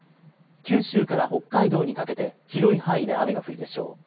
九州から北海道にかけて広い範囲で雨が降るでしょう。